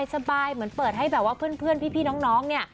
สบายเหมือนเปิดให้แบบว่าเพื่อนพี่น้องเนี่ย